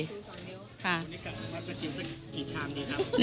คุณคะจะกินสักกี่ชามดีครับ